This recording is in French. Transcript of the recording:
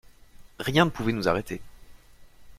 Rien ne pouvait nous arrêter.